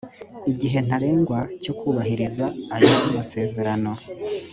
igihe ntarengwa cyo kubahiriza aya masezeno